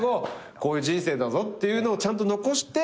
こういう人生だぞっていうのをちゃんと残して。